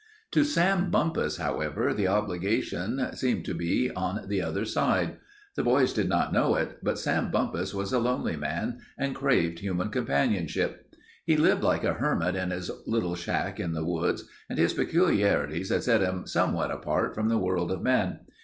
To Sam Bumpus, however, the obligation seemed to be on the other side. The boys did not know it, but Sam Bumpus was a lonely man and craved human companionship. He lived like a hermit in his little shack in the woods and his peculiarities had set him somewhat apart from the world of men.